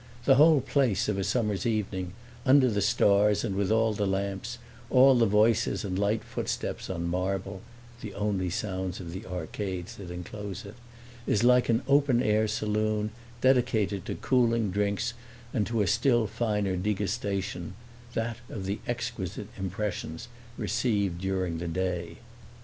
The whole place, of a summer's evening, under the stars and with all the lamps, all the voices and light footsteps on marble (the only sounds of the arcades that enclose it), is like an open air saloon dedicated to cooling drinks and to a still finer degustation that of the exquisite impressions received during the day.